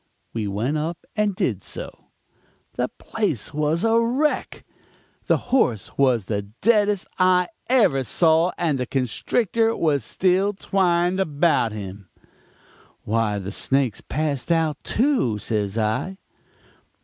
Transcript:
"We went up and did so. The place was a wreck; the horse was the deadest I ever saw and the constrictor was still twined about him. "'Why, the snake's passed out, too,' says I.